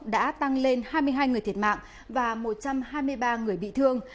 đã tăng lên hai mươi hai người thiệt mạng và một trăm hai mươi ba người bị thương